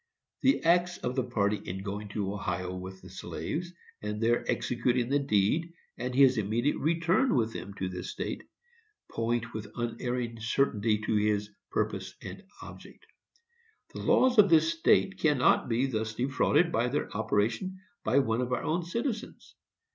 The acts of the party in going to Ohio with the slaves, and there executing the deed, and his immediate return with them to this state, point with unerring certainty to his purpose and object. The laws of this state cannot be thus defrauded of their operation by one of our own citizens.